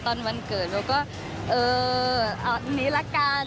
ตอนวันเกิดแล้วก็เออเอานี้ล่ะกัน